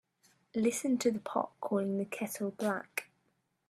Listen to the pot calling the kettle black.